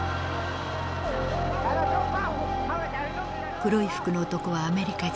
黒い服の男はアメリカ人。